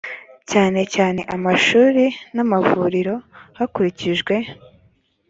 cyane cyane amashuri n amavuriro hakurikijwe